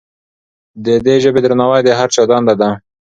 د دې ژبې درناوی د هر چا دنده ده.